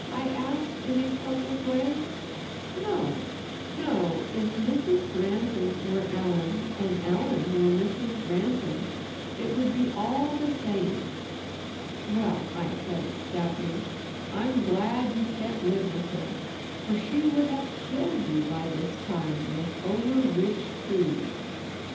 I asked in a puzzled way. "No, no. If Mrs. Granton were Ellen, and Ellen were Mrs. Granton, it would be all the same." "Well," I said stoutly, "I'm glad you can't live with her, for she would have killed you by this time with over rich food."